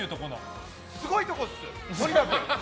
すごいとこっす、とにかく。